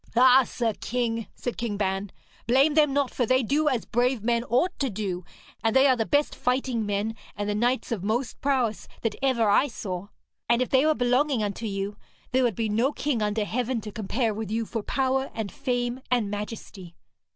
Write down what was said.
'Ah, sir king,' said King Ban, 'blame them not, for they do as brave men ought to do, and they are the best fighting men and the knights of most prowess that ever I saw. And if they were belonging unto you, there would be no king under heaven to compare with you for power and fame and majesty.'